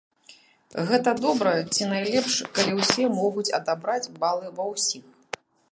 Гэта добра, ці найлепш калі ўсе могуць адабраць балы ва ўсіх?